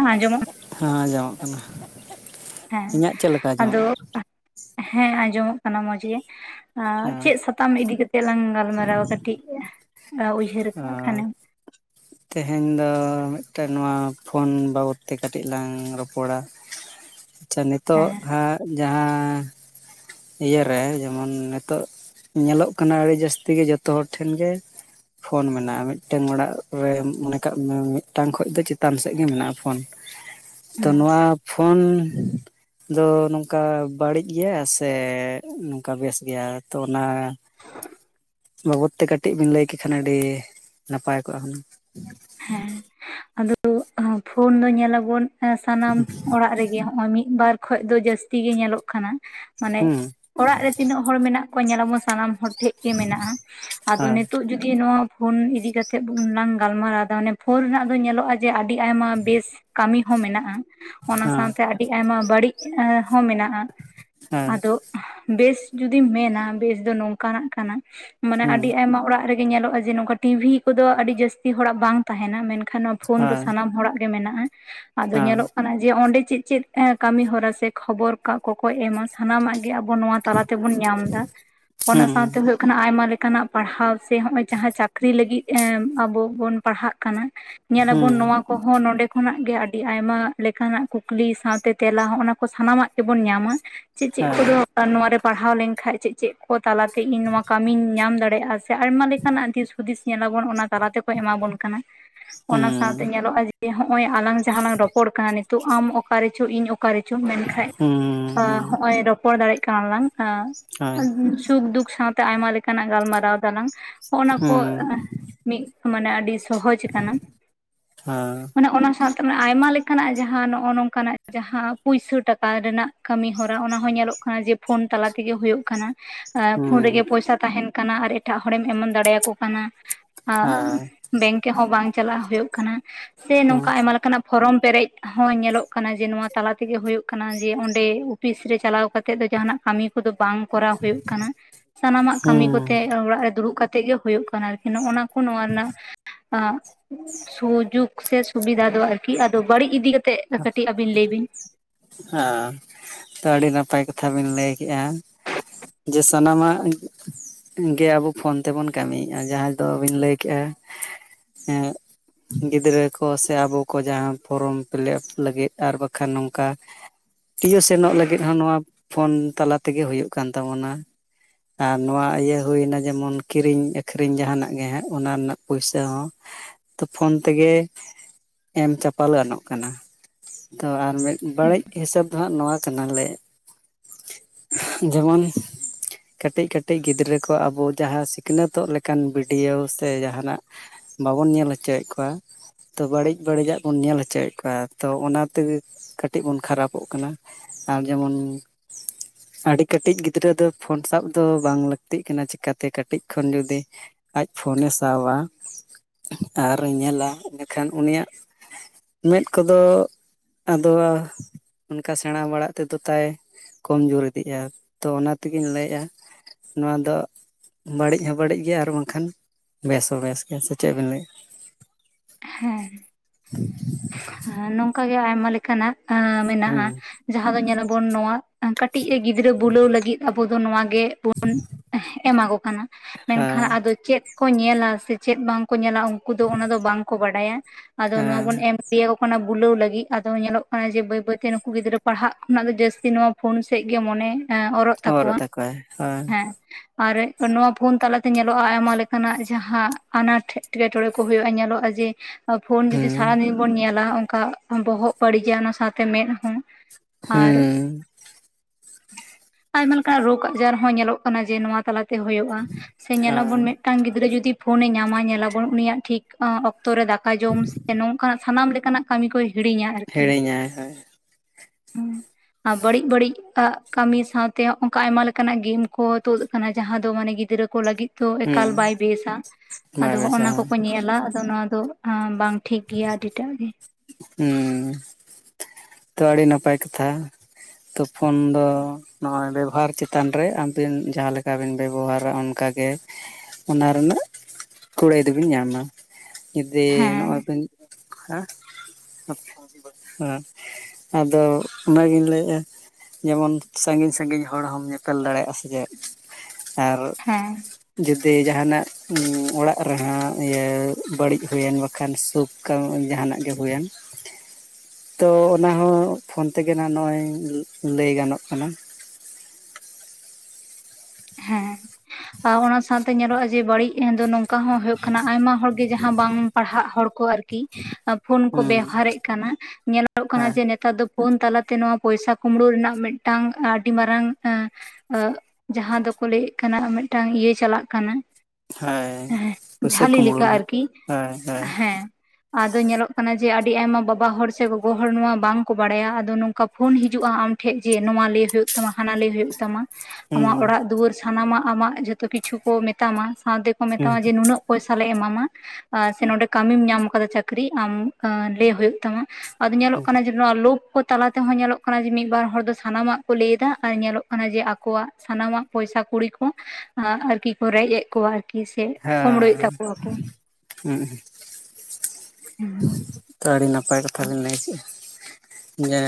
ᱦᱮᱸ [unintelligible] ᱦᱮᱸ ᱟᱸᱡᱚᱢᱚᱜ ᱠᱟᱱᱟ᱾ ᱦᱮᱸ ᱤᱧᱟᱹᱜ ᱪᱮᱜ ᱞᱮᱠᱟ ᱟᱫᱚ ᱟᱸᱡᱚᱢᱚᱜ ᱠᱟᱱᱟ? ᱦᱮᱸ ᱟᱸᱡᱚᱢᱚᱜ ᱠᱟᱱᱟ ᱢᱚᱸᱡᱽᱜᱮ᱾ ᱟ ᱦᱮᱸ ᱪᱮᱜ ᱥᱟᱛᱟᱢ ᱤᱫᱤ ᱠᱟᱛᱮᱜ ᱞᱟᱝ ᱜᱟᱞᱢᱟᱨᱟᱣᱟ? ᱴᱷᱤᱠ [unintelligible] [unintelligible] [inaudible] ᱛᱮᱦᱮᱧ ᱫᱚ ᱢᱤᱜᱴᱮᱱ ᱱᱚᱣᱟ ᱯᱷᱳᱱ ᱵᱟᱵᱚᱛ ᱛᱮ ᱠᱟᱹᱴᱤᱡ ᱞᱟᱝ ᱨᱚᱯᱚᱲᱟ᱾ [unintelligible] ᱟᱪᱪᱷᱟ ᱱᱤᱛᱚᱜ ᱦᱮᱸ ᱦᱟᱸᱜ ᱡᱟᱦᱟᱸ ᱤᱭᱟᱹᱨᱮ ᱡᱮᱢᱚᱱ ᱱᱤᱛᱚᱜ ᱧᱮᱞᱚᱜ ᱠᱟᱱᱟ ᱟᱹᱰᱤ ᱡᱟᱹᱥᱛᱤ ᱜᱮ ᱡᱚᱛᱚ ᱦᱚᱲ ᱴᱷᱮᱱ ᱜᱮ ᱯᱷᱳᱱ ᱢᱮᱱᱟᱜᱼᱟ ᱢᱤᱜᱴᱟᱝ ᱚᱲᱟᱜ ᱨᱮ ᱢᱚᱱᱮ ᱠᱟᱜ ᱢᱮ ᱢᱤᱜᱴᱟᱝ ᱠᱷᱚᱡ ᱫᱚ ᱪᱮᱛᱟᱱ ᱥᱮᱜ ᱜᱮ ᱢᱮᱱᱟᱜᱼᱟ ᱯᱷᱳᱱ᱾ [unintelligible] ᱛᱚ ᱱᱚᱣᱟ ᱯᱷᱳᱱ ᱫᱚ ᱱᱚᱝᱠᱟ ᱵᱟᱹᱲᱤᱡ ᱜᱮᱭᱟ ᱥᱮ ᱛᱮ ᱱᱚᱝᱠᱟ ᱵᱮᱥ ᱜᱮᱭᱟ ᱛᱚ ᱚᱱᱟ [unintelligible] ᱵᱟᱵᱚᱫ ᱛᱮ ᱠᱟᱹᱴᱤᱡ ᱵᱤᱱ ᱞᱟᱹᱭ ᱠᱮᱠᱷᱟᱱ ᱟᱹᱰᱤ ᱱᱟᱯᱟᱭ ᱠᱚᱜᱼᱟ᱾ ᱦᱮᱸ ᱟᱫᱚ ᱯᱷᱳᱱ ᱫᱚ ᱧᱮᱞ ᱟᱵᱚᱱ ᱮ ᱥᱟᱱᱟᱢ ᱚᱲᱟᱜ ᱨᱮᱜᱮ ᱦᱚᱜᱚᱭ ᱢᱤᱜᱵᱟᱨ ᱠᱷᱚᱡ ᱫᱚ ᱡᱟᱹᱥᱛᱤ ᱜᱤ ᱧᱮᱞᱚᱜ ᱠᱟᱱᱟ᱾ ᱢᱟᱱᱮ ᱦᱩᱸ ᱚᱲᱟᱜ ᱨᱮ ᱛᱤᱱᱟᱹᱜ ᱦᱚᱲ ᱢᱮᱱᱟᱜ ᱠᱚᱣᱟ ᱧᱮᱞᱟᱵᱚᱱ ᱥᱟᱱᱟᱢ ᱦᱚᱲ ᱴᱷᱮᱡ ᱜᱮ ᱢᱮᱱᱟᱜᱼᱟ᱾ ᱟᱫᱚ ᱦᱳᱭ ᱱᱤᱛᱚᱜ ᱡᱩᱫᱤ ᱱᱚᱣᱟ ᱯᱷᱳᱱ ᱤᱫᱤ ᱠᱟᱛᱮᱜ ᱵᱩᱱ ᱞᱟᱝ ᱜᱟᱞᱢᱟᱨᱟᱣᱟ ᱚᱱᱮ ᱯᱷᱳᱱ ᱨᱮᱱᱟᱜ ᱫᱚ ᱧᱮᱞᱚᱜᱼᱟ ᱡᱮ ᱟᱹᱰᱤ ᱟᱭᱢᱟ ᱵᱮᱥ ᱠᱟᱹᱢᱤ ᱦᱚᱸ ᱢᱮᱱᱟᱜᱼᱟ᱾ ᱚᱱᱟ ᱦᱳᱭ ᱥᱟᱶᱛᱮ ᱟᱹᱰ ᱟᱹᱰᱤ ᱟᱭᱢᱟ ᱵᱟᱹᱲᱤᱡ ᱦᱚᱸ ᱢᱮᱱᱟᱜᱼᱟ᱾ ᱦᱳᱭ ᱟᱫᱚ ᱵᱮᱥ ᱡᱩᱫᱤᱢ ᱢᱮᱱᱟ ᱵᱮᱥ ᱫᱚ ᱱᱚᱝᱠᱟᱱᱟᱜ ᱠᱟᱱᱟ᱾ ᱢᱟᱱᱮ ᱦᱩᱸ ᱟᱹᱰᱤ ᱟᱭᱢᱟ ᱚᱲᱟᱜ ᱨᱮ ᱧᱮᱞᱚᱜᱼᱟ ᱡᱮ ᱱᱚᱝᱠᱟ ᱴᱤᱵᱷᱤ ᱠᱚᱫᱚ ᱟᱹᱰᱤ ᱡᱟᱹᱥᱛᱤ ᱦᱚᱲᱟᱜ ᱵᱟᱝ ᱛᱟᱦᱮᱱᱟ᱾ ᱢᱮᱱ ᱠᱷᱟᱱ ᱱᱚᱣᱟ ᱯᱷᱳᱱ ᱫᱚ ᱦᱳᱭ ᱥᱟᱱᱟᱢ ᱦᱚᱲᱟᱜ ᱜᱮ ᱢᱮᱱᱟᱜᱼᱟ᱾ ᱟᱫᱚ ᱦᱳᱭ ᱧᱮᱞᱚᱜ ᱠᱟᱱᱟ ᱡᱮ ᱚᱸᱰᱮ ᱪᱮᱫ ᱪᱮᱫ ᱮ ᱠᱟᱹᱢᱤ ᱦᱚᱨᱟ ᱥᱮ ᱠᱷᱚᱵᱚᱨ ᱠᱟᱜ ᱠᱚᱠᱚ ᱮᱢᱟ ᱥᱟᱱᱟᱢᱟᱜ ᱜᱮ ᱟᱵᱚ ᱱᱚᱣᱟ ᱛᱟᱞᱟ ᱛᱮᱵᱚᱱ ᱧᱟᱢ ᱮᱫᱟ᱾ ᱚᱱᱟ ᱦᱩᱸ ᱥᱟᱶᱛᱮ ᱠᱟᱱᱟ ᱟᱭᱢᱟ ᱞᱮᱠᱟᱱᱟᱜ ᱯᱟᱲᱦᱟᱣ ᱥᱮ ᱦᱚᱸᱜᱼᱚᱭ ᱡᱟᱦᱟᱸ ᱪᱟᱹᱠᱨᱤ ᱞᱟᱹᱜᱤᱜ ᱮᱢ ᱟᱵᱚ ᱵᱚᱱ ᱯᱟᱲᱦᱟᱜ ᱠᱟᱱᱟ ᱦᱩᱸ ᱧᱮᱞᱟᱵᱚᱱ ᱱᱚᱣᱟ ᱠᱚᱦᱚᱸ ᱱᱚᱰᱮ ᱠᱷᱚᱱᱟᱜ ᱜᱮ ᱟᱹᱰᱤ ᱟᱭᱢᱟ ᱞᱮᱠᱟᱱᱟᱜ ᱠᱩᱠᱞᱤ ᱥᱟᱶᱛᱮ ᱛᱮᱞᱟ ᱦᱚᱜᱚᱱᱟ ᱠᱚ ᱥᱟᱱᱟᱢᱟᱜ ᱜᱮᱵᱚᱱ ᱧᱟᱢᱟ᱾ ᱪᱮᱫ ᱪᱮᱫ ᱦᱳᱭ ᱠᱚᱫᱚ ᱱᱚᱣᱟᱨᱮ ᱯᱟᱲᱦᱟᱣ ᱞᱮᱱᱠᱟᱱᱡ ᱪᱮᱫ ᱪᱮᱫ ᱠᱚ ᱛᱟᱞᱟᱛᱮ ᱤᱧ ᱱᱚᱣᱟ ᱠᱟᱹᱢᱤᱧ ᱧᱟᱢ ᱫᱟᱲᱮᱭᱟᱜᱼᱟ ᱥᱮ ᱟᱭᱢᱟ ᱞᱮᱠ ᱞᱮᱠᱟᱱᱟᱜ ᱫᱤᱥ ᱦᱩᱫᱤᱥ ᱧᱮᱞᱟᱵᱚᱱ ᱚᱱᱟ ᱛᱟᱞᱟ ᱛᱮᱠᱚ ᱮᱢᱟᱵᱚᱱ ᱠᱟᱱᱟ᱾ ᱚᱱᱟ ᱦᱩᱸ ᱥᱟᱶᱛᱮ ᱧᱮᱞᱚᱜᱼᱟ ᱡᱮ ᱜᱮ ᱦᱚᱜᱚᱭ ᱟᱞᱟᱝ ᱡᱟᱦᱟᱸ ᱞᱟᱝ ᱨᱚᱯᱚᱲ ᱠᱟᱱᱟ ᱱᱤᱛᱚᱜ ᱟᱢ ᱚᱠᱟ ᱨᱮᱪᱚ ᱤᱧ ᱚᱠᱟ ᱨᱮᱪᱚ ᱢᱮᱱᱠᱷᱟᱱ ᱦᱩᱸ ᱟ ᱦᱩᱸ ᱦᱚᱜᱚᱭ ᱨᱚᱯᱚᱲ ᱫᱟᱲᱮᱜ ᱠᱟᱱᱟ ᱞᱟᱝ᱾ ᱦᱳᱭ ᱮᱻ ᱥᱩᱠ ᱫᱩᱠ ᱥᱟᱶᱛᱮ ᱟᱭᱢᱟ ᱞᱮᱠᱟᱱᱟᱜ ᱜᱟᱞᱢᱟᱨᱟᱣ ᱫᱟᱞᱟᱝ᱾ ᱦᱚᱜᱚᱱᱟ ᱠᱚ ᱦᱩᱸ ᱢᱤᱫ ᱢᱟᱱᱮ ᱟᱹᱰᱤ ᱠᱚ ᱠᱷᱚᱡᱽ ᱠᱟᱱᱟ᱾ ᱦᱳᱭ ᱢᱟᱱᱮ ᱚᱱᱟ ᱥᱟᱶ ᱛᱟᱨᱮ ᱢᱟᱱᱮ ᱟᱭᱢᱟ ᱞᱮᱠᱟᱱᱟᱜ ᱡᱟᱦᱟᱸ ᱱᱚᱜᱚ ᱱᱚᱝᱠᱟᱱᱟᱜ ᱡᱟᱦᱟᱸ ᱯᱩᱭᱥᱟᱹ ᱴᱟᱠᱟ ᱨᱮᱱᱟᱜ ᱠᱟᱹᱢᱤ ᱦᱚᱨᱟ ᱚᱱᱟ ᱦᱚᱸ ᱧᱮᱞᱚᱜ ᱠᱟᱱᱟ ᱡᱮ ᱯᱷᱳᱱ ᱛᱟᱞᱟ ᱛᱮᱜᱮ ᱦᱳᱭᱳᱜ ᱠᱟᱱᱟ᱾ ᱯᱷᱳᱱ ᱦᱩᱸ ᱨᱮᱜᱮ ᱯᱚᱭᱥᱟ ᱛᱟᱦᱮᱱ ᱠᱟᱱᱟ ᱟᱨ ᱮᱴᱟᱜ ᱦᱚᱲᱮᱢ ᱮᱢᱚᱱ ᱫᱟᱲᱮᱭᱟᱠᱚ ᱠᱟᱱᱟ᱾ ᱦᱳᱭ ᱵᱮᱝᱠᱮ ᱦᱚᱸ ᱵᱟᱝ ᱪᱟᱞᱟᱜ ᱦᱳᱭᱳᱜ ᱠᱟᱱᱟ ᱥᱮ ᱦᱩᱸ ᱱᱚᱝᱠᱟ ᱦᱳᱭ ᱟᱭᱢᱟ ᱞᱮᱠᱟᱱᱟᱜ ᱯᱷᱚᱨᱚᱢ ᱯᱮᱨᱮᱡ ᱦᱚᱸ ᱧᱮᱞᱚᱜ ᱠᱟᱱᱟ ᱡᱮ ᱱᱚᱣᱟ ᱛᱟᱞᱟ ᱛᱮᱜᱮ ᱦᱩᱭᱩᱜ ᱠᱟᱱᱟ ᱡᱮ ᱚᱸᱰᱮ ᱚᱯᱷᱤᱥ ᱨᱮ ᱪᱟᱞᱟᱣ ᱠᱟᱛᱮᱜ ᱫᱚ ᱡᱟᱦᱟᱱᱟᱜ ᱠᱟᱹᱢᱤ ᱠᱚᱫᱚ ᱵᱟᱝ ᱠᱚᱨᱟᱣ ᱦᱩᱭᱩᱜ ᱠᱟᱱᱟ, ᱥᱟᱱᱟᱢᱟᱜ ᱠᱟᱹᱢᱤ ᱠᱚᱛᱮ ᱚᱲᱟᱜ ᱨᱮ ᱫᱩᱲᱩᱵ ᱠᱟᱛᱮ ᱠᱟᱛᱮᱜ ᱜᱮ ᱦᱳᱭᱳᱜ ᱠᱟᱱᱟ ᱟᱨᱠᱤ ᱱᱚᱜ ᱱᱟ ᱠᱚ ᱱᱚᱣᱟ ᱨᱮᱱᱟᱜ ᱥᱩᱡᱩᱜ ᱥᱮ ᱥᱩᱵᱤᱫᱷᱟ ᱫᱚ ᱟᱨᱠᱤ ᱟᱫᱚ ᱵᱟᱹᱲᱤᱡ ᱤᱫᱤ ᱠᱟᱛᱮᱜ ᱠᱟᱹᱴᱤᱡ ᱵᱤᱱ ᱞᱟᱹᱭᱵᱤᱱ᱾ ᱦᱮᱸ ᱛᱚ ᱟᱹᱰᱤ ᱱᱟᱯᱟᱭ ᱠᱟᱛᱷᱟ ᱵᱤᱱ ᱞᱟᱹᱭ ᱠᱮᱜᱼᱟ᱾ ᱡᱮ ᱥᱟᱱᱟᱢᱟᱜ ᱜᱮ ᱟᱵᱚ ᱯᱷᱳᱱ ᱛᱮᱵᱚᱱ ᱠᱟᱹᱢᱤᱭᱮᱜᱼᱟ, ᱡᱟᱦᱟᱸᱭ ᱫᱚᱵᱤᱱ ᱞᱟᱹᱭ ᱠᱮᱜᱼᱟ ᱜᱤᱫᱽᱨᱟᱹ ᱠᱚ ᱥᱮ ᱟᱵᱚ ᱠᱚ ᱡᱟᱦᱟᱸ ᱯᱷᱨᱚᱢ ᱯᱷᱤᱞᱟᱯ ᱞᱟᱹᱜᱤᱫ ᱟᱨ ᱵᱟᱠᱷᱟᱱ ᱱᱚᱝᱠᱟ ᱴᱤᱭᱳ ᱥᱮᱱᱚᱜ ᱞᱟᱹᱜᱤᱫ ᱦᱚᱸ ᱱᱚᱣᱟ ᱯᱷᱳᱱ ᱛᱟᱞᱟ ᱛᱮᱜᱮ ᱦᱩᱭᱩᱜ ᱠᱟᱱ ᱛᱟᱵᱚᱱᱟ᱾ ᱟᱨ ᱱᱚᱣᱟ ᱤᱭᱟᱹ ᱦᱩᱭᱱᱟ ᱡᱮᱢᱚᱱ ᱠᱤᱨᱤᱧ ᱟᱠᱷᱨᱤᱧ ᱡᱟᱦᱟᱸ ᱱᱟᱜ ᱜᱮ ᱚᱱᱟ ᱨᱮᱱᱟᱜ ᱯᱩᱭᱥᱟᱹ ᱦᱚᱸ᱾ ᱛᱚ ᱯᱷᱳᱱ ᱛᱮᱜᱮ ᱮᱢ ᱪᱟᱯᱟᱞ ᱜᱟᱱᱚᱜ ᱠᱟᱱᱟ, ᱛᱚ ᱟᱨ ᱢᱤᱫ ᱵᱟᱹᱲᱤᱡ ᱦᱤᱥᱟᱹᱵᱽ ᱫᱚ ᱦᱟᱸᱜ ᱱᱚᱣᱟ ᱠᱟᱱᱟᱞᱮ ᱡᱮᱢᱚᱱ ᱠᱟᱹᱴᱤᱡ ᱠᱟᱹᱴᱤᱡ ᱜᱤᱫᱽᱨᱟᱹ ᱠᱚ ᱟᱵᱚ ᱡᱟᱦᱟᱸ ᱥᱤᱠᱷᱱᱟᱹᱛᱚᱜ ᱞᱮᱠᱟᱱ ᱵᱷᱤᱰᱭᱳ ᱥᱮ ᱡᱟᱦᱟᱱᱟᱜ ᱵᱟᱵᱚᱱ ᱧᱮᱞ ᱦᱚᱪᱚᱭᱮᱫ ᱠᱚᱣᱟ᱾ ᱛᱚ ᱵᱟᱹᱲᱤᱡ ᱵᱟᱹᱲᱤᱡᱟᱜ ᱵᱚᱱ ᱧᱮᱞ ᱦᱚᱪᱚᱭᱮᱫ ᱠᱚᱣᱟ, ᱛᱚ ᱚᱱᱟ ᱛᱮᱜᱮ ᱠᱟᱹᱴᱤᱡ ᱵᱚᱱ ᱠᱷᱟᱨᱟᱯᱚᱜ ᱠᱟᱱᱟ᱾ ᱟᱨ ᱡᱮᱢᱚᱱ ᱟᱹᱰᱤ ᱠᱟᱹᱴᱤᱡ ᱜᱤᱫᱽᱨᱟᱹ ᱫᱚ ᱯᱷᱳᱱ ᱥᱟᱵ ᱫᱚ ᱵᱟᱝ ᱞᱟᱹᱠᱛᱤᱜ ᱠᱟᱱᱟ ᱪᱤᱠᱟᱛᱮ ᱠᱟᱹᱴᱤᱡ ᱠᱷᱚᱱ ᱡᱩᱫᱤ ᱟᱡ ᱯᱷᱳᱱᱮ ᱥᱟᱣᱟ ᱟᱨᱮ ᱧᱮᱞᱟ ᱮᱱᱟᱹᱠᱷᱟᱱ ᱩᱱᱤᱭᱟᱜ ᱢᱮᱫ ᱠᱚᱫᱚ ᱟᱫᱚ ᱚᱱᱠᱟ ᱥᱮᱬᱟ ᱵᱟᱲᱟ ᱛᱮᱫᱚ ᱛᱟᱭ ᱠᱚᱢ ᱡᱳᱨ ᱤᱫᱤᱜᱼᱟ ᱛᱚ ᱚᱱᱟ ᱛᱮᱜᱮᱧ ᱞᱟᱹᱭᱮᱜᱼᱟ ᱱᱚᱣᱟ ᱫᱚ ᱵᱟᱹᱲᱤᱡ ᱦᱚᱸ ᱵᱟᱹᱲᱤᱡ ᱜᱮᱭᱟ ᱟᱨ ᱵᱟᱝᱠᱷᱟᱱ ᱵᱮᱥ ᱦᱚᱸ ᱵᱮᱥ ᱜᱮ ᱾ᱥᱮᱪᱮᱫ ᱵᱮᱱ ᱞᱟᱹᱭᱼᱟ? ᱦᱮᱸ ᱱᱚᱝᱠᱟ ᱜᱮ ᱟᱭᱢᱟ ᱞᱮᱠᱟᱱᱟᱜ ᱦᱮᱸ ᱢᱮᱱᱟᱜᱼᱟ᱾ ᱡᱟᱦᱟᱸ ᱫᱚ ᱧᱮᱞ ᱟᱵᱚᱱ ᱱᱚᱣᱟ ᱠᱟᱹᱴᱤᱡ ᱨᱮ ᱜᱤᱫᱽᱨᱟᱹ ᱵᱩᱞᱟᱹᱣ ᱞᱟᱹᱜᱤᱫ ᱟᱵᱚ ᱫᱚ ᱱᱚᱣᱟ ᱜᱮ ᱵᱚᱱ ᱮᱢᱟ ᱠᱚ ᱠᱟᱱᱟ ᱢᱮᱱᱠᱷᱟᱱ ᱦᱮᱸ ᱟᱫᱚ ᱪᱮᱫ ᱠᱚ ᱧᱮᱞᱟ ᱥᱮ ᱪᱮᱫ ᱵᱟᱝᱠᱚ ᱧᱮᱞᱟ ᱩᱱᱠᱩ ᱫᱚ ᱚᱱᱟ ᱫᱚ ᱵᱟᱝᱠᱩ ᱵᱟᱰᱟᱭᱟ, ᱟᱫᱚ ᱱᱚᱣᱟ ᱦᱮᱸ ᱵᱩᱱ ᱮᱢ ᱤᱫᱤᱭᱟᱠᱚ ᱠᱟᱱᱟ ᱵᱩᱞᱟᱹᱣ ᱞᱟᱹᱜᱤᱫ ᱟᱫᱚ ᱧᱮᱞᱚᱜ ᱠᱟᱱᱟ ᱡᱮ ᱵᱟᱹᱭ ᱵᱟᱹᱭᱛᱮ ᱱᱩᱠᱩ ᱜᱤᱫᱽᱨᱟᱹ ᱯᱟᱲᱦᱟᱜ ᱠᱷᱚᱱᱟᱜ ᱫᱚ ᱡᱟᱹᱥᱛᱤ ᱱᱚᱶᱟ ᱯᱷᱳᱱ ᱥᱮᱫ ᱜᱮ ᱢᱚᱱᱮ ᱚᱨᱚᱜ ᱛᱟᱠᱚᱣᱟ ᱛᱟᱠᱚᱣᱟᱭ ᱦᱳᱭ ᱦᱮᱸ᱾ ᱟᱨ ᱱᱚᱣᱟ ᱯᱷᱳᱱ ᱛᱟᱞᱟᱛᱮ ᱧᱮᱞᱚᱜᱼᱟ ᱟᱭᱢᱟ ᱞᱮᱠᱟᱱᱟᱜ ᱡᱟᱦᱟᱸ ᱟᱱᱟᱴ ᱮᱴᱠᱮ ᱠᱚ ᱦᱳᱭᱳᱜ ᱟ ᱧᱮᱞᱚᱜᱼᱟ ᱡᱮ ᱡᱮ ᱯᱷᱳᱱ ᱡᱩᱫᱤ ᱦᱮᱸ ᱥᱟᱨᱟᱫᱤᱱ ᱵᱚᱱ ᱧᱮᱞᱟ ᱚᱱᱠᱟ ᱵᱚᱦᱚᱜ ᱵᱟᱹᱲᱤᱡᱟ ᱚᱱᱟ ᱥᱟᱶᱛᱮ ᱢᱮᱸᱫ ᱦᱚ᱾ ᱟᱨ ᱦᱮᱸ ᱟᱭᱢᱟ ᱞᱮᱠᱟᱱᱟᱜ ᱨᱳᱜᱽ ᱟᱡᱟᱨ ᱦᱚᱸ ᱧᱮᱞᱚᱜ ᱠᱟᱱᱟ ᱡᱮ ᱱᱚᱣᱟ ᱛᱟᱞᱟᱛᱮ ᱦᱩᱭᱩᱜ᱾ ᱥᱮ ᱦᱮᱸ ᱧᱮᱞᱟᱵᱚᱱ ᱢᱤᱫᱴᱟᱝ ᱜᱤᱫᱽᱨᱟᱹ ᱡᱩᱫᱤ ᱯᱷᱳᱱᱮ ᱧᱟᱢᱟᱭ ᱧᱮᱞᱟᱵᱚᱱ ᱩᱱᱤᱭᱟᱜ ᱴᱷᱤᱠ ᱚᱠᱛᱚ ᱚᱠᱛᱚ ᱨᱮ ᱫᱟᱠᱟ ᱡᱚᱢ ᱥᱮ ᱱᱚᱝᱠᱟᱱᱟᱜ ᱥᱟᱱᱟᱢ ᱞᱮᱠᱟᱱᱟᱜ ᱠᱟᱹᱢᱤ ᱠᱚᱭ ᱦᱤᱲᱤᱧᱟ ᱟᱨᱠᱤ᱾ ᱦᱤᱲᱤᱧᱟᱭ ᱦᱳᱭ ᱟᱨ ᱵᱟᱹᱲᱤᱡ ᱵᱟᱹᱲᱤᱡ ᱟᱜ ᱠᱟᱹᱢᱤ ᱥᱟᱶᱛᱮ ᱚᱱᱠᱟ ᱟᱭᱢᱟ ᱞᱮᱠᱟᱱᱟᱜ ᱜᱮᱢ ᱠᱚ ᱛᱳᱫ ᱠᱟᱱᱟ ᱡᱟᱦᱟᱸ ᱫᱚ ᱢᱟᱱᱮ ᱜᱤᱫᱽᱨᱟᱹ ᱠᱚ ᱞᱟᱹᱜᱤᱫ ᱛᱚ ᱦᱮᱸ ᱮᱠᱟᱞ ᱵᱟᱭ ᱵᱮᱥᱟ, ᱵᱟᱭ ᱟᱫᱚ ᱵᱮᱥᱟ ᱦᱚᱜᱱᱟ ᱠᱚᱠᱚ ᱧᱮᱞᱟ ᱟᱫᱚ ᱱᱚᱣᱟ ᱛᱚ ᱵᱟᱝ ᱴᱷᱤᱠ ᱜᱮᱭᱟ ᱟᱹᱰᱤ ᱴᱟᱜ ᱜᱮ᱾ ᱩᱸᱻ ᱛᱚ ᱟᱹᱰᱤ ᱱᱟᱯᱟᱭ ᱠᱟᱛᱷᱟ ᱛᱚ ᱯᱷᱳᱱ ᱫᱚ ᱱᱚᱜᱚᱭ ᱵᱮᱵᱚᱦᱟᱨ ᱪᱮᱛᱟᱱ ᱨᱮ ᱟᱵᱤᱱ ᱡᱟᱦᱟᱸ ᱞᱮᱠᱟ ᱵᱤᱱ ᱵᱮᱵᱚᱦᱟᱨᱟ ᱚᱱᱠᱟᱜᱮ᱾ ᱚᱱᱟ ᱨᱮᱱᱟᱜ ᱠᱩᱲᱟᱹᱭ ᱫᱚᱵᱤᱱ ᱧᱟᱢᱟ᱾ ᱡᱩᱫᱤ ᱦᱮᱸ ᱱᱚᱜᱼᱚᱭ ᱠᱚ [inaudible] ᱟᱫᱚ ᱚᱱᱟ ᱜᱤᱧ ᱞᱟᱹᱭᱮᱫᱼᱟ ᱾ ᱡᱮᱢᱚᱱ ᱥᱟᱸᱜᱤᱧ ᱥᱟᱸᱜᱤᱧ ᱦᱚᱲ ᱦᱚᱢ ᱧᱮᱯᱮᱞ ᱫᱟᱲᱮᱜᱼᱟ ᱥᱮᱪᱮᱫ, ᱟᱨ ᱦᱮᱸ ᱾ ᱡᱩᱫᱤ ᱡᱟᱦᱟᱱᱟᱜ ᱚᱲᱟᱜ ᱨᱮ ᱦᱟᱸᱜ ᱤᱭᱟᱹ ᱵᱟᱹᱲᱤᱡ ᱦᱩᱭᱮᱱ ᱵᱟᱠᱷᱟᱱ ᱥᱩᱠ ᱠᱟ ᱡᱟᱦᱟᱱᱟᱜ ᱜᱮ ᱦᱩᱭᱮᱱ ᱾ ᱛᱚ ᱚᱱᱟ ᱦᱚᱸ ᱯᱷᱳᱱ ᱛᱮᱜᱮ ᱱᱟᱜ ᱱᱚᱜᱼᱚᱭ ᱞᱟᱹᱭ ᱜᱟᱱᱚᱜ ᱠᱟᱱᱟ ᱾ ᱦᱮᱸ, ᱟᱨ ᱚᱱᱟ ᱥᱟᱶᱛᱮ ᱧᱮᱞᱚᱜᱼᱟ ᱡᱮ ᱵᱟᱹᱲᱤᱡ ᱫᱚ ᱱᱚᱝᱠᱟ ᱦᱚᱸ ᱦᱳᱭᱳᱜ ᱠᱟᱱᱟ ᱟᱭᱢᱟ ᱦᱚᱲ ᱜᱮ ᱡᱟᱦᱟᱸ ᱵᱟᱝ ᱯᱟᱲᱦᱟᱜ ᱦᱚᱲ ᱠᱚ ᱟᱨᱠᱤ, ᱯᱷᱳᱱ ᱠᱚ ᱦᱮᱸ ᱵᱮᱣᱦᱟᱨᱮᱫ ᱠᱟᱱᱟ ᱧᱮᱞᱚᱜᱚᱜ ᱠᱟᱱᱟ ᱦᱮᱸ ᱡᱮ ᱱᱮᱛᱟᱨ ᱫᱚ ᱯᱷᱳᱱ ᱛᱟᱞᱟ ᱛᱮ ᱱᱚᱣᱟ ᱯᱚᱭᱥᱟ ᱠᱩᱢᱲᱩ ᱨᱮᱱᱟᱜ ᱢᱤᱫᱴᱟᱝ ᱟᱹᱰᱤ ᱢᱟᱨᱟᱝ ᱮᱸ ᱡᱟᱦᱟᱸ ᱫᱚ ᱠᱚ ᱞᱟᱹᱭᱮᱫ ᱠᱟᱱᱟ ᱢᱤᱫᱴᱟᱝ ᱤᱭᱟᱹ ᱪᱟᱞᱟᱜ ᱠᱟᱱᱟ ᱾ ᱦᱳᱭ ᱦᱮᱸ ᱯᱩᱭᱥᱟᱹ ᱡᱷᱟᱹᱞᱤ ᱞᱮᱠᱟ ᱠᱩᱢᱵᱽᱲᱩ ᱱᱟᱦᱟᱜ ᱟᱨᱠᱤ, ᱦᱳᱭ ᱦᱳᱭ ᱦᱮᱸ ᱾ ᱟᱫᱚ ᱧᱮᱞᱚᱜ ᱠᱟᱱᱟ ᱡᱮ ᱟᱹᱰᱤ ᱟᱭᱢᱟ ᱵᱟᱵᱟ ᱦᱚᱲ ᱥᱮ ᱜᱚᱜᱚ ᱦᱚᱲ ᱱᱚᱣᱟ ᱵᱟᱝᱠᱚ ᱵᱟᱲᱟᱭᱟ ᱟᱫᱚ ᱱᱚᱝᱠᱟ ᱯᱷᱳᱱ ᱦᱤᱡᱩᱜᱼᱟ ᱟᱢᱴᱷᱮᱡ ᱡᱮ ᱱᱚᱣᱟ ᱞᱟᱹᱭ ᱦᱳᱭᱳᱜ ᱛᱟᱢᱟ ᱦᱟᱱᱟ ᱞᱟᱹᱭ ᱦᱳᱭᱳᱜ ᱛᱟᱢᱟ ᱦᱩᱸ ᱟᱢᱟᱜ ᱚᱲᱟᱜ ᱫᱩᱣᱟᱹᱨ ᱥᱟᱱᱟᱢᱟᱜ ᱟᱢᱟᱜ ᱡᱷᱚᱛᱚ ᱠᱤᱪᱷᱩ ᱠᱚ ᱢᱮᱛᱟᱢᱟ ᱥᱟᱶ ᱛᱮᱠᱚ ᱦᱩᱸ ᱢᱮᱛᱟᱢᱟ ᱡᱮ ᱱᱩᱱᱟᱹᱜ ᱯᱚᱭᱥᱟ ᱞᱮ ᱮᱢᱟᱢᱟ ᱥᱮ ᱱᱚᱰᱮ ᱠᱟᱹᱢᱤᱢ ᱧᱟᱢ ᱠᱟᱫᱟ ᱪᱟᱹᱠᱨᱤ ᱟᱢ ᱞᱟᱹᱭ ᱦᱳᱭᱳᱜ ᱛᱟᱢᱟ ᱾ ᱟᱫᱚ ᱧᱮᱞᱚᱜ ᱦᱩᱸ ᱠᱟᱱᱟ ᱡᱮ ᱱᱚᱣᱟ ᱞᱳᱵᱷ ᱠᱚ ᱛᱟᱞᱟ ᱛᱮᱦᱚᱸ ᱧᱮᱞᱚᱜ ᱠᱟᱱᱟ ᱡᱮ ᱢᱤᱫ ᱵᱟᱨ ᱦᱚᱲ ᱫᱚ ᱥᱟᱱᱟᱢᱟᱜ ᱠᱚ ᱞᱟᱹᱭᱫᱟ ᱟᱨ ᱧᱮᱞᱚᱜ ᱠᱟᱱᱟ ᱡᱮ ᱟᱠᱚᱣᱟᱜ ᱥᱟᱱᱟᱢᱟᱜ ᱯᱚᱭᱥᱟ ᱠᱩᱲᱤ ᱠᱚ ᱟᱨᱠᱤ ᱠᱚ ᱨᱮᱡ ᱮᱫ ᱠᱚᱣᱟ ᱟᱨ ᱠᱤ ᱥᱮ ᱠᱳᱢᱲᱳᱭᱮᱫ ᱦᱮᱸ ᱛᱟᱠᱚᱣᱟᱠᱚ ᱾ ᱦᱩᱸ ᱛᱚ ᱟᱹᱰᱤ ᱱᱟᱯᱟᱭ ᱠᱟᱛᱷᱟ ᱵᱤᱱ ᱞᱟᱹᱭ ᱠᱮᱜᱼᱟ ᱾ ᱡᱮ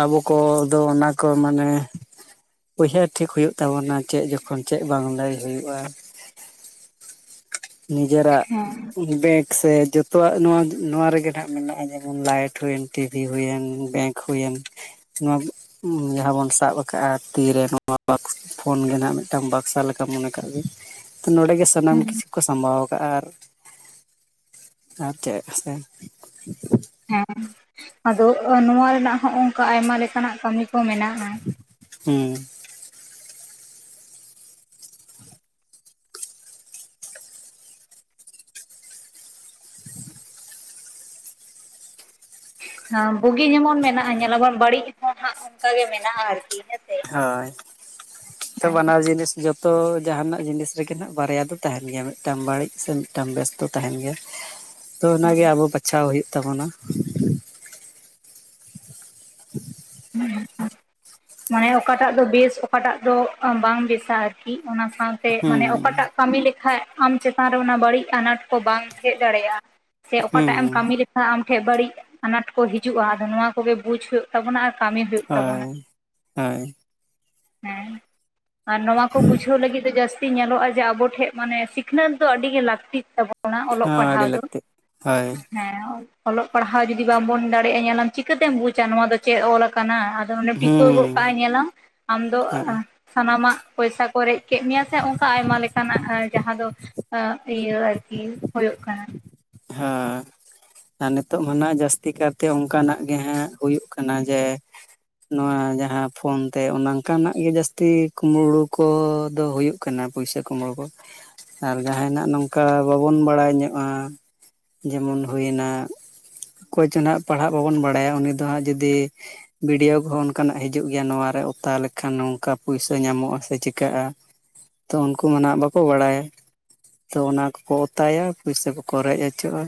ᱟᱵᱚ ᱠᱚ ᱫᱚ ᱚᱱᱟ ᱠᱚ ᱫᱚ ᱚᱱᱟ ᱠᱚ ᱢᱟᱱᱮ ᱩᱚᱭᱦᱟᱹᱨ ᱴᱷᱤᱠ ᱦᱩᱭᱩᱜ ᱛᱟᱵᱚᱱᱟ ᱪᱮᱫ ᱡᱚᱠᱷᱚᱱ ᱪᱮᱫ ᱵᱟᱝ ᱞᱟᱹᱭ ᱦᱩᱭᱩᱜᱼᱟ ᱾ ᱱᱤᱡᱮᱨᱟᱜ ᱵᱮᱠ ᱥᱮ ᱡᱚᱛᱚᱣᱟᱜ ᱱᱚᱣᱟ ᱱᱚᱣᱟ ᱨᱮᱜᱮ ᱱᱟᱦᱜ ᱢᱮᱱᱟᱜᱼᱟ ᱡᱮᱢᱚᱱ ᱞᱟᱭᱤᱴ ᱦᱩᱭᱮᱱ, ᱴᱤᱵᱷᱤ ᱦᱩᱭᱮᱱ, ᱵᱮᱝᱠ ᱦᱩᱭᱮᱱ ᱱᱚᱣᱟ ᱡᱟᱦᱟᱸ ᱵᱚᱱ ᱥᱟᱵ ᱠᱟᱜ-ᱟ ᱛᱤᱨᱮ ᱱᱚᱣᱟ [unintelligible] ᱯᱷᱳᱱ ᱜᱮ ᱱᱟᱦᱜ ᱢᱤᱫᱴᱟᱝ ᱵᱟᱠᱥᱟ ᱞᱮᱠᱟ ᱢᱚᱱᱮ ᱠᱟᱜ ᱵᱤᱱ ᱾ ᱛᱚ ᱱᱚᱸᱰᱮ ᱜᱮ ᱥᱟᱱᱟᱢ ᱦᱮᱸ ᱠᱤᱪᱷᱩ ᱠᱚ ᱥᱟᱢᱵᱟᱣ ᱠᱟᱜ-ᱟ ᱟᱨ ᱪᱮᱫ ᱥᱮ [inaudible] ᱦᱮᱸ ᱟᱫᱚ ᱱᱚᱣᱟ ᱨᱮᱱᱟᱜ ᱦᱚᱸ ᱚᱝᱠᱟ ᱟᱭᱢᱟ ᱞᱮᱠᱟᱱᱟᱜ ᱠᱟᱹᱢᱤ ᱠᱚ ᱢᱮᱱᱟᱜᱼᱟ ᱾ ᱦᱩᱸ ᱾ [unintelligible] ᱦᱮᱸ ᱵᱩᱜᱤ ᱡᱮᱢᱚᱱ ᱢᱮᱱᱟᱜᱼᱟ ᱧᱮᱞᱟᱵᱚᱱ ᱵᱟᱹᱲᱤᱡ ᱦᱚᱸ ᱦᱟᱸᱜ ᱚᱱᱠᱟ ᱜᱮ ᱢᱮᱱᱟᱜᱼᱟ ᱟᱨᱠᱤ ᱦᱮᱸᱥᱮ ᱾ ᱦᱳᱭ ᱾ ᱛᱚ ᱵᱟᱱᱟᱨ ᱡᱤᱱᱤᱥ ᱡᱚᱛᱚ ᱡᱟᱦᱟᱱᱟᱜ ᱡᱤᱱᱤᱥ ᱨᱮᱜᱮ ᱱᱟᱦᱜ ᱵᱟᱨᱭᱟ ᱫᱚ ᱛᱟᱦᱮᱱ ᱜᱮᱭᱟ ᱢᱤᱫᱴᱟᱝ ᱵᱟᱹᱲᱤᱡ ᱥᱮ ᱢᱤᱫᱴᱟᱝ ᱵᱮᱥ ᱫᱚ ᱛᱟᱦᱮᱱ ᱜᱮᱭᱟ, ᱛᱚ ᱚᱱᱟ ᱜᱮ ᱟᱵᱚ ᱵᱟᱪᱷᱟᱣ ᱦᱩᱭᱩᱜ ᱛᱟᱵᱚᱱᱟ ᱾ [unintelligible] ᱢᱟᱱᱮ ᱚᱠᱟᱴᱟᱜ ᱫᱚ ᱵᱮᱥ ᱚᱠᱟᱴᱟᱜ ᱫᱚ ᱵᱟᱝ ᱵᱮᱥᱟ ᱟᱨ ᱠᱤ ᱚᱱᱟ ᱥᱟᱶᱛᱮ ᱦᱩᱸ ᱢᱟᱱᱮ ᱚᱠᱟᱴᱟᱜ ᱠᱟᱹᱢᱤ ᱞᱮᱠᱷᱟᱡ ᱟᱢ ᱪᱮᱛᱟᱱ ᱨᱮ ᱚᱱᱟ ᱵᱟᱹᱲᱤᱡ ᱟᱱᱟᱴ ᱠᱚ ᱵᱟᱝ ᱦᱮᱡ ᱫᱟᱲᱮᱭᱟᱜᱼᱟ, ᱥᱮ ᱦᱩᱸ ᱚᱠᱟᱴᱟᱜ ᱮᱢ ᱠᱟᱹᱢᱤ ᱞᱮᱠ ᱠᱷᱟᱡ ᱟᱢᱴᱷᱮᱡ ᱵᱟᱹᱲᱤᱡ ᱟᱱᱟᱴ ᱠᱚ ᱦᱤᱡᱩᱜᱼᱟ ᱟᱫᱚ ᱱᱚᱣᱟ ᱠᱚᱜᱮ ᱵᱩᱡ ᱦᱳᱭᱳᱜ ᱛᱟᱵᱚᱱᱟ ᱟᱨ ᱠᱟᱹᱢᱤ ᱦᱩᱭᱩᱜ ᱛᱟᱵᱚᱱᱟ ᱦᱚᱭ ᱦᱟᱹᱭ ᱾ ᱦᱮᱸ, ᱟᱨ ᱱᱚᱣᱟ ᱠᱚ ᱵᱩᱡᱷᱟᱹᱣ ᱞᱟᱹᱜᱤᱫ ᱫᱚ ᱡᱟᱹᱥ ᱛᱤ ᱧᱮᱞᱚᱜᱼᱟ ᱡᱮ ᱟᱵᱚᱴᱷᱮᱡ ᱢᱟᱱᱮ ᱥᱤᱠᱷᱱᱟᱹᱛ ᱫᱚ ᱟᱹᱰᱤ ᱜᱮ ᱞᱟᱹᱠᱛᱤᱜ ᱛᱟᱵᱚᱱ ᱾ ᱚᱱᱟ ᱚᱞᱚᱜ ᱦᱚᱸ ᱯᱟᱲᱦᱟᱣ ᱟᱹᱰᱤ ᱫᱚ᱾ ᱞᱟᱹᱠᱛᱤᱜ ᱦᱳᱭ ᱦᱮᱸ ᱚᱞᱚᱜ ᱯᱟᱲᱦᱟᱣ ᱡᱩᱫᱤ ᱵᱟᱝᱵᱚᱱ ᱫᱟᱲᱮᱭᱟᱜᱼᱟ ᱧᱮᱞᱟᱢ ᱪᱤᱠᱟᱹᱛᱮᱢ ᱵᱩᱡᱟ ᱱᱚᱣᱟ ᱫᱚ ᱪᱮᱫ ᱚᱞ ᱟᱠᱟᱱᱟ? ᱟᱫᱚ ᱚᱱᱮᱢ ᱴᱤᱯᱟᱹᱣ ᱦᱩᱸ ᱜᱚᱜ ᱠᱟᱜᱼᱟ ᱧᱮᱞᱟᱢ ᱟᱢᱫᱚ ᱦᱳᱭ ᱥᱟᱱᱟᱢᱟᱜ ᱯᱚᱭᱥᱟ ᱠᱚ ᱨᱮᱡ ᱠᱮᱜ ᱢᱮᱭᱟ ᱥᱮ ᱦᱚᱜᱼᱚᱝᱠᱟ ᱟᱭᱢᱟ ᱞᱮᱠᱟᱱᱟᱜ ᱡᱟᱦᱟᱸ ᱫᱚ ᱟᱹ ᱤᱭᱟᱹ ᱟᱨᱠᱤ ᱦᱳᱭᱳᱜ ᱠᱟᱱᱟ ᱾ ᱦᱮᱸ ᱾ ᱟᱨ ᱱᱤᱛᱚᱜ ᱢᱟ ᱱᱟᱜ ᱡᱟᱹᱥᱛᱤ ᱠᱟᱨᱛᱮ ᱚᱝᱠᱟᱱᱟᱜ ᱜᱮ ᱦᱟᱜ ᱦᱩᱭᱩᱜ ᱠᱟᱱᱟ ᱡᱮ ᱱᱚᱣᱟ ᱡᱟᱦᱟᱸ ᱯᱷᱳᱱ ᱛᱮ ᱚᱱᱟ ᱚᱱᱠᱟᱱᱟᱜ ᱜᱮ ᱡᱟᱹᱥᱛᱤ ᱠᱩᱢᱲᱩ ᱠᱚᱫᱚ ᱦᱩᱭᱩᱜ ᱠᱟᱱᱟ ᱯᱩᱭᱥᱟ ᱠᱩᱢᱲᱩ ᱠᱚ ᱾ ᱟᱨ ᱡᱟᱦᱟᱱᱟᱜ ᱱᱚᱝᱠᱟ ᱵᱟᱵᱳᱱ ᱵᱟᱲᱟᱭ ᱧᱚᱜᱼᱟ ᱡᱮᱢᱚᱱ ᱦᱩᱭᱱᱟ ᱚᱠᱚᱭᱪᱚ ᱱᱟᱦᱟᱜ ᱯᱟᱲᱦᱟᱜ ᱵᱟᱵᱚᱱ ᱵᱟᱲᱟᱭᱟ ᱩᱱᱤ ᱫᱚ ᱦᱟᱸᱜ ᱡᱩᱫᱤ ᱵᱷᱤᱰᱭᱳ ᱠᱚᱦᱚᱸ ᱚᱱᱠᱟᱱᱟᱜ ᱦᱤᱡᱩᱜ ᱜᱮᱭᱟ ᱱᱚᱣᱟᱨᱮ ᱚᱛᱟ ᱞᱮᱠᱷᱟᱱ ᱱᱚᱝᱠᱟ ᱯᱩᱭᱥᱟᱹ ᱧᱟᱢᱚᱜᱼᱟ ᱥᱮ ᱪᱤᱠᱟᱹᱜᱼᱟ! ᱛᱚ ᱩᱱᱠᱩ ᱢᱟ ᱱᱟᱦᱟᱜ ᱵᱟᱠᱚ ᱵᱟᱲᱟᱭᱟ, ᱛᱚ ᱚᱱᱟ ᱠᱚᱠᱚ ᱚᱛᱟᱭᱟ ᱯᱩᱭᱥᱟᱹ ᱠᱚᱠᱚ ᱨᱮᱡ ᱦᱚ ᱪᱚᱜᱼᱟ,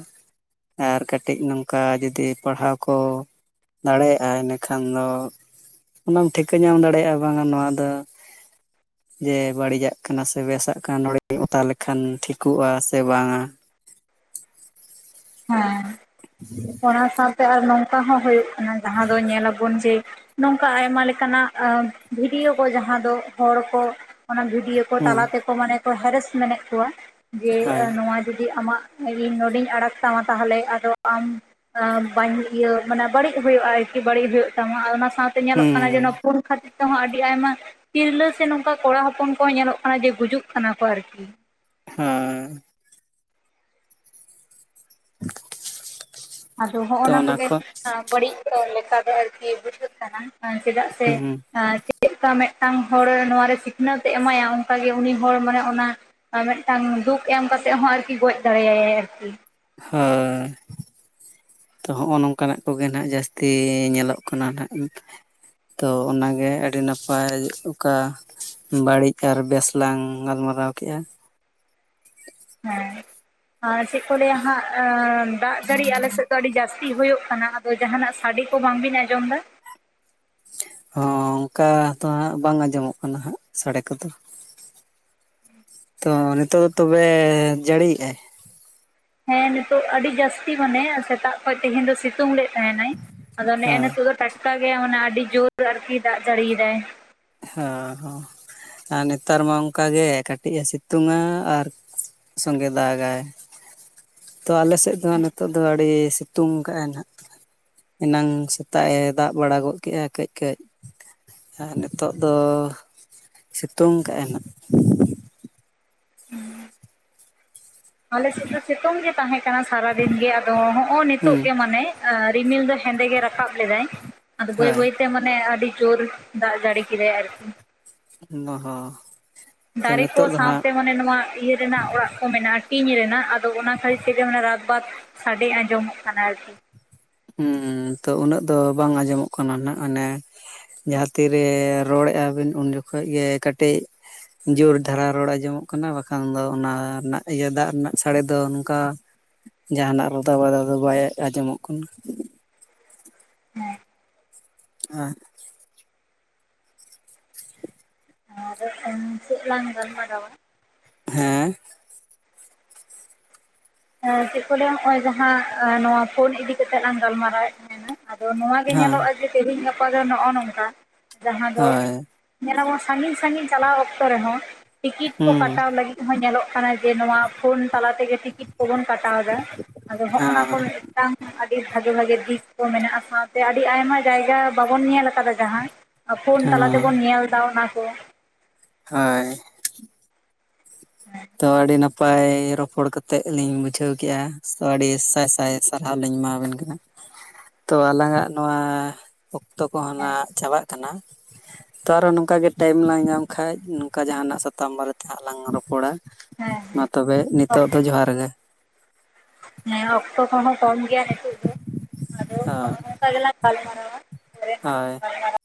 ᱟᱨ ᱠᱟᱹᱴᱤᱡ ᱱᱚᱝᱠᱟ ᱡᱩᱫᱤ ᱯᱟᱲᱦᱟᱣ ᱠᱚ ᱫᱟᱲᱮᱭᱟᱜᱼᱟ ᱤᱱᱟᱹ ᱠᱷᱟᱱ ᱫᱚ ᱚᱱᱟᱢ ᱴᱷᱤᱠᱟᱹ ᱧᱟᱢ ᱫᱟᱲᱮᱭᱟᱜᱼᱟ ᱵᱟᱝᱟ ᱱᱚᱣᱟ ᱫᱚ ᱡᱮ ᱵᱟᱹᱲᱤᱡᱟᱜ ᱠᱟᱱᱟ ᱥᱮ ᱵᱮᱥᱟᱜ ᱠᱟᱱᱟ ᱱᱚᱲᱮᱧ ᱚᱛᱟ ᱞᱮᱠᱷᱟᱱ ᱴᱷᱤᱠᱩᱜᱼᱟ ᱥᱮ ᱵᱟᱝᱼᱟ! ᱦᱮᱸ ᱾ [inaudible] ᱚᱱᱟ ᱥᱟᱶᱛᱮ ᱟᱨ ᱱᱚᱝᱠᱟ ᱦᱚᱸ ᱦᱳᱭᱳᱜ ᱠᱟᱱᱟ ᱡᱟᱦᱟᱸ ᱫᱚ ᱧᱮᱞ ᱟᱵᱚᱱ ᱡᱮ ᱱᱚᱝᱠᱟ ᱟᱭᱢᱟ ᱞᱮᱠᱟᱱᱟᱜ ᱟᱸ ᱵᱷᱤᱰᱤᱭᱳ ᱠᱚ ᱡᱟᱦᱟᱸ ᱫᱚ ᱦᱚᱲ ᱠᱚ ᱚᱱᱟ ᱵᱷᱤᱰᱤᱭᱳ ᱠᱚ ᱦᱩᱸ ᱛᱟᱞᱟ ᱛᱮᱠᱚ ᱢᱟᱱᱮ ᱠᱚ ᱦᱮᱨᱮᱥ ᱢᱮᱱᱮᱜ ᱠᱚᱣᱟ ᱡᱮ ᱦᱳᱭ ᱱᱚᱣᱟ ᱡᱩᱫᱤ ᱟᱢᱟᱜ ᱤᱧ ᱱᱚᱸᱰᱮᱧ ᱟᱲᱟᱜ ᱛᱟᱢᱟ ᱛᱟᱦᱚᱞᱮ ᱟᱫᱚ ᱟᱢ ᱟᱸ ᱵᱟᱧ ᱤᱭᱟᱹ ᱢᱟᱱᱮ ᱵᱟᱹᱲᱤᱡ ᱦᱩᱭᱩᱜᱼᱟ ᱟᱨᱠᱤ ᱵᱟᱹᱲᱤᱡ ᱦᱩᱭᱩᱜ ᱛᱟᱢᱟ ᱟᱨ ᱚᱱᱟ ᱥᱟᱶᱛᱮ ᱧᱮᱞᱚᱜ ᱠᱟᱱᱟ ᱦᱩᱸ ᱡᱮ ᱱᱚᱣᱟ ᱯᱷᱳᱱ ᱠᱷᱟᱹᱛᱤᱨ ᱛᱮ ᱦᱚᱸ ᱟᱰᱤ ᱟᱭᱢᱟ ᱛᱤᱨᱞᱟᱹ ᱥᱮ ᱱᱚᱝᱠᱟ ᱠᱚᱲᱟ ᱦᱚᱯᱚᱱ ᱠᱚᱦᱚᱸ ᱧᱮᱞᱚᱜ ᱠᱟᱱᱟ ᱡᱮ ᱜᱩᱡᱩᱜ ᱠᱟᱱᱟ ᱠᱚ ᱟᱨᱠᱤ ᱾ ᱦᱮᱸ ᱾ ᱟᱫᱚ ᱛᱚ ᱦᱚᱜᱼᱚᱱᱟ ᱚᱱᱟ ᱠᱚᱜᱮ ᱠᱷᱚᱱ ᱵᱟᱹᱲᱤᱡ ᱞᱮᱠᱟ ᱫᱚ ᱟᱨᱠᱤ ᱵᱩᱡᱷᱟᱹᱜ ᱠᱟᱱᱟ ᱾ ᱪᱮᱫᱟᱜ ᱥᱮ ᱦᱩᱸ ᱟᱸ ᱪᱮᱜᱠᱟ ᱢᱮᱜᱴᱟᱝ ᱦᱚᱲ ᱱᱚᱣᱮ ᱨᱮ ᱥᱤᱠᱷᱱᱟᱹᱛ ᱮ ᱮᱢᱟᱭᱟ ᱚᱝᱠᱟᱜᱮ ᱩᱱᱤ ᱦᱚᱲ ᱢᱟᱱᱮ ᱚᱱᱟ ᱟᱨ ᱢᱤᱜᱴᱟᱝ ᱫᱩᱠ ᱮᱢ ᱠᱟᱛᱮᱜ ᱦᱚᱸ ᱟᱨᱠᱤ ᱜᱚᱡ ᱫᱟᱲᱮᱭᱟᱭᱟᱭ ᱟᱨᱠᱤ ᱾ ᱦᱮᱸ ᱾ ᱛᱚ ᱦᱚᱸᱜᱼᱚ ᱱᱚᱝᱠᱟᱱᱟᱜ ᱠᱚᱜᱮ ᱱᱟᱦᱟᱜ ᱡᱟᱹᱥᱛᱤ ᱧᱮᱞᱚᱜ ᱠᱟᱱᱟ ᱱᱟᱜ [inaudible] ᱛᱚ ᱚᱱᱟᱜᱮ ᱟᱹᱰᱤ ᱱᱟᱯᱟᱭ ᱚᱠᱟ ᱵᱟᱹᱲᱤᱡ ᱟᱨ ᱵᱮᱥ ᱞᱟᱝ ᱜᱟᱞᱢᱟᱨᱟᱣ ᱠᱮᱜᱼᱟ ᱾ ᱦᱮᱸ, ᱟᱨ ᱪᱮᱜ ᱠᱚ ᱞᱟᱹᱭᱟ ᱦᱟᱸᱜ ᱫᱟᱜ ᱡᱟᱹᱲᱤ ᱟᱞᱮ ᱥᱮᱫ ᱫᱚ ᱟᱹᱰᱤ ᱡᱟᱹᱥ ᱛᱤ ᱦᱳᱭᱳᱜ ᱠᱟᱱᱟ ᱟᱫᱚ ᱡᱟᱦᱟᱱᱟᱜ ᱥᱟᱰᱮ ᱠᱚ ᱵᱟᱝᱵᱤᱱ ᱟᱸᱡᱚᱢ ᱮᱫᱟ? ᱦᱚᱸ ᱚᱝᱠᱟ ᱫᱚ ᱦᱟᱸᱜ ᱵᱟᱝ ᱟᱸᱡᱚᱢᱚᱜ ᱠᱟᱱᱟ ᱦᱟᱜ ᱥᱟᱹᱲᱮ ᱠᱚᱫᱚ ᱾ ᱛᱚ ᱱᱤᱛᱳᱜ ᱫᱚ ᱛᱚᱵᱮ ᱡᱟᱹᱲᱤ ᱭᱮᱜ ᱟᱭ? ᱦᱮᱸ ᱱᱤᱛᱚᱜ ᱟᱹᱰᱤ ᱡᱟᱹᱥᱛᱤ ᱢᱟᱱᱮ ᱥᱮᱛᱟᱜ ᱠᱷᱚᱡ ᱛᱮᱦᱮᱧ ᱫᱚ ᱥᱤᱛᱩᱝ ᱞᱮ ᱛᱟᱦᱮᱱᱟᱭ ᱟᱫᱚ ᱱᱮᱜᱼᱮ ᱦᱳᱭ ᱱᱤᱛᱳᱜ ᱫᱚ ᱴᱟᱴᱠᱟ ᱜᱮ ᱢᱟᱱᱮ ᱟᱹᱰᱤ ᱡᱳᱨ ᱟᱨᱠᱤ ᱫᱟᱜ ᱡᱟᱹᱲᱤ ᱭᱮᱫᱟᱭ ᱾ ᱦᱚᱸ ᱦᱚᱸ ᱟᱨ ᱱᱮᱛᱟᱨ ᱢᱟ ᱚᱝᱠᱟ ᱜᱮ ᱠᱟᱹᱴᱤᱡ ᱮ ᱥᱤᱛᱩᱝᱼᱟ ᱟᱨ ᱥᱚᱸᱜᱮ ᱫᱟᱜᱟᱭ ᱾ ᱛᱚ ᱟᱞᱮ ᱥᱮᱜ ᱫᱚ ᱦᱟᱜ ᱱᱤᱛᱚᱜ ᱫᱚ ᱟᱹᱲᱤ ᱛᱩᱝ ᱠᱟᱜᱼᱟ ᱱᱟᱦᱟᱜ ᱾ ᱮᱱᱟᱝ ᱥᱮᱛᱟᱜ ᱮ ᱫᱟᱜ ᱵᱟᱲᱟ ᱜᱚᱫ ᱠᱮᱜᱼᱟ ᱠᱟᱹᱡ ᱠᱟᱡ ᱟᱨ ᱱᱮ ᱛᱚᱜ ᱫᱚ ᱥᱤᱛᱩᱝ ᱠᱟᱜᱼᱟᱭ ᱱᱟᱜ ᱾ ᱟᱞᱮᱥᱮᱫ ᱫᱚ ᱥᱤᱛᱩᱝ ᱜᱮ ᱛᱟᱦᱮᱸ ᱠᱟᱱᱟ ᱥᱟᱨᱟ ᱫᱤᱱ ᱜᱮ ᱟᱫᱚ ᱦᱚᱜᱼᱚ ᱱᱤᱛᱚᱜ ᱦᱩᱸ ᱜᱮ ᱢᱟᱱᱮ ᱨᱤᱢᱤᱞ ᱫᱚ ᱦᱮᱸᱫᱮ ᱜᱮ ᱨᱟᱠᱟᱵ ᱞᱮᱫᱟᱭ ᱟᱫᱚ ᱵᱟᱹᱭ ᱦᱳᱭ ᱵᱟᱹᱭ ᱛᱮ ᱢᱟᱱᱮ ᱟᱹᱰᱤ ᱡᱳᱨ ᱫᱟᱜ ᱡᱟᱹᱲᱤ ᱠᱮᱫᱟᱭ ᱟᱨᱠᱤ᱾ ᱱᱚ ᱦᱚᱸ᱾ ᱛᱚ ᱫᱟᱨᱮ ᱠᱚ ᱱᱤᱛᱚᱜ ᱫᱚ ᱦᱟᱸᱜ ᱥᱟᱶᱛᱮ ᱢᱟᱱᱮ ᱱᱚᱣᱟ ᱤᱭᱟᱹ ᱨᱮᱱᱟᱜ ᱚᱲᱟᱜ ᱠᱚ ᱢᱮᱱᱟᱜᱼᱟ ᱴᱤᱧ ᱨᱮᱱᱟᱜ ᱟᱫᱚ ᱚᱱᱟ ᱠᱷᱟᱹᱛᱤᱨ ᱛᱮᱜᱮ ᱨᱟᱛ ᱵᱟᱛ ᱥᱟᱰᱮ ᱟᱸᱡᱚᱢᱚᱜ ᱠᱟᱱᱟ ᱟᱨᱠᱤ᱾ ᱦᱩ ᱛᱚ ᱩᱱᱟᱹᱜ ᱫᱚ ᱵᱟᱝ ᱟᱸᱡᱚᱢᱚᱜ ᱠᱟᱱᱟ ᱱᱟᱜ ᱢᱟᱱᱮ ᱡᱟᱦᱟᱸ ᱛᱤᱨᱮ ᱨᱚᱲᱮᱜᱼᱟ ᱵᱤᱱ ᱩᱱ ᱡᱚᱠᱷᱚᱱ ᱜᱮ ᱠᱟᱹᱴᱤᱡ ᱡᱳᱨ ᱫᱷᱟᱨᱟ ᱨᱚᱲ ᱟᱸᱡᱚᱢᱚᱜ ᱠᱟᱱᱟ ᱵᱟᱠᱷᱟᱱ ᱫᱚ ᱚᱱᱟ ᱨᱮᱱᱟᱜ ᱤᱭᱟᱹ ᱫᱟᱜ ᱨᱮᱱᱟᱜ ᱥᱟᱹᱲᱤ ᱫᱚ ᱱᱚᱝᱠᱟ ᱡᱟᱦᱟᱱᱟᱜ ᱨᱟᱫᱟ ᱵᱟᱫᱟ ᱫᱚ ᱵᱟᱭ ᱟᱸᱱᱡᱚᱢᱚᱜ ᱠᱟᱱᱟ᱾ ᱦᱮᱸ ᱦ [unintelligible] ᱟᱨ ᱪᱮᱫ ᱞᱟᱝ ᱜᱟᱞᱢᱟᱨᱟᱣᱟ? ᱦᱮᱸ ᱪᱮᱫ ᱞᱟᱹᱭᱟ ᱱᱚᱜ ᱚᱭ ᱡᱟᱦᱟᱸ ᱱᱚᱣᱟ ᱤᱫᱤᱠᱟ ᱠᱟᱛᱮᱜ ᱞᱟᱝ ᱜᱟᱞᱢᱟᱨᱟᱣᱮᱫ ᱛᱟᱦᱮᱸᱱᱟ᱾ ᱟᱫᱚ ᱱᱚᱣᱟᱜᱮ ᱦᱮᱸ ᱧᱮᱞᱚᱽ ᱜᱟᱯᱟ ᱫᱚ ᱱᱚᱜᱼᱚ ᱱᱚᱝᱠᱟ ᱡᱟᱦᱟᱸ ᱫᱚ ᱦᱳᱭ ᱧᱮᱞᱟᱵᱚᱱ ᱥᱟᱺᱜᱤᱧ ᱥᱟᱺᱜᱤᱧ ᱪᱟᱞᱟᱣ ᱚᱠᱛᱚ ᱨᱮᱦᱚᱸ ᱴᱤᱠᱤᱴ ᱠᱚ ᱦᱩᱸ ᱠᱟᱴᱟᱣ ᱞᱟᱹᱜᱤᱫ ᱦᱚᱸ ᱧᱮᱞᱚᱜ ᱠᱟᱱᱟ ᱡᱮ ᱱᱚᱣᱟ ᱯᱷᱳᱱ ᱛᱟᱞᱟ ᱛᱮᱜᱮ ᱴᱤᱠᱤᱴ ᱠᱚᱵᱚᱱ ᱠᱟᱴᱟᱣ ᱮᱫᱟ, ᱟᱫᱚ ᱦᱚᱜ ᱱᱟ ᱠᱚ ᱦᱮᱸ ᱢᱤᱫᱴᱟᱝ ᱟᱹᱰᱤ ᱵᱷᱟᱜᱮ ᱵᱷᱟᱜᱮ ᱫᱤᱯ ᱠᱚ ᱢᱮᱱᱟᱜᱼᱟ ᱥᱟᱶᱛᱮ ᱟᱹᱰᱤ ᱟᱭᱢᱟ ᱡᱟᱭᱜᱟ ᱵᱟᱵᱚᱱ ᱧᱮᱞ ᱠᱟᱫᱟ ᱡᱟᱦᱟᱸ᱾ ᱯᱷᱳᱩᱱ ᱛᱟᱞᱟ ᱦᱮᱸ ᱛᱮᱵᱩᱱ ᱧᱮᱞ ᱮᱫᱟ ᱚᱱᱟ ᱠᱚ᱾ ᱦᱳᱭ᱾ [unintelligible] ᱛᱚ ᱟᱹᱰᱤ ᱱᱟᱯᱟᱭ ᱨᱚᱯᱚᱲ ᱠᱟᱛᱮᱫ ᱞᱤᱧ ᱵᱩᱡᱷᱟᱹᱣ ᱠᱮᱜᱼᱟ ᱛᱚ ᱟᱹᱰᱤ ᱥᱟᱭ ᱥᱟᱭ ᱥᱟᱨᱦᱟᱣ ᱞᱤᱧ ᱮᱢᱟ ᱵᱮᱱ ᱠᱟᱱᱟ᱾ ᱛᱚ ᱟᱞᱟᱝᱟᱜ ᱱᱚᱣᱟ ᱚᱠᱛᱚ ᱠᱚᱦᱚᱸ ᱦᱮᱸ ᱱᱟᱜ ᱪᱟᱵᱟᱜ ᱠᱟᱱᱟ᱾ ᱛᱚ ᱟᱨᱚ ᱱᱚᱝᱠᱟ ᱜᱮ ᱴᱟᱭᱤᱢ ᱞᱟᱝ ᱧᱟᱢ ᱠᱷᱟᱡ ᱱᱚᱝᱠᱟ ᱡᱟᱦᱟᱱᱟᱜ ᱥᱟᱛᱟᱢ ᱵᱟᱨᱮᱛᱮ ᱦᱟᱸᱜ ᱞᱟᱝ ᱨᱚᱯᱚᱲᱟ᱾ ᱦᱮᱸ ᱢᱟ ᱦᱮᱸ ᱛᱚᱵᱮ ᱱᱤᱛᱚᱜ ᱫᱚ ᱡᱚᱦᱟᱨ ᱜᱮ᱾ ᱦᱮᱸ ᱚᱠᱛᱚ ᱠᱚᱦᱚᱸ ᱠᱚᱢ ᱜᱮᱭᱟ ᱱᱤᱛᱳ ᱫᱚ ᱟᱫᱚ ᱚᱱᱠᱟ ᱜᱮᱞᱟᱝ ᱜᱟᱞᱢᱟᱨᱟᱣᱟ ᱯᱚᱨᱮ᱾ ᱦᱳᱭ᱾ [unintelligible]